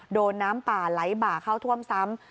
โดนน้ำป่าไหลบ่าเข้าท่วมซ้ำ